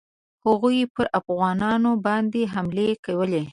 هغوی پر افغانانو باندي حملې کولې.